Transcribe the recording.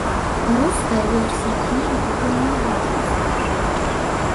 Руская версія кнігі пакуль не ўбачыла свету.